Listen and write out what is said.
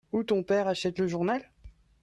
Où ton père achète le journal ?